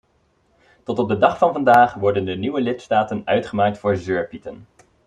Tot op de dag van vandaag worden de nieuwe lidstaten uitgemaakt voor zeurpieten.